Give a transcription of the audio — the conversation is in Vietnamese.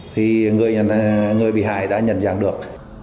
thì người bị hại đã nhận dạng được